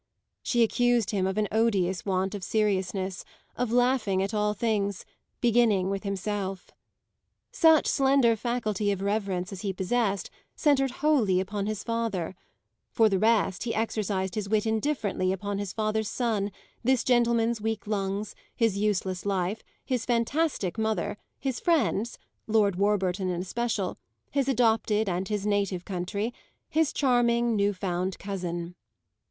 She accused him of an odious want of seriousness, of laughing at all things, beginning with himself. Such slender faculty of reverence as he possessed centred wholly upon his father; for the rest, he exercised his wit indifferently upon his father's son, this gentleman's weak lungs, his useless life, his fantastic mother, his friends (Lord Warburton in especial), his adopted, and his native country, his charming new found cousin.